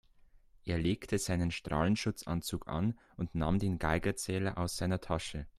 Er legte seinen Strahlenschutzanzug an und nahm den Geigerzähler aus seiner Tasche.